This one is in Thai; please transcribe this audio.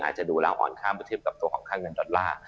อาจจะดูแล้วอ่อนข้ามไปเทียบกับตัวของค่าเงินดอลลาร์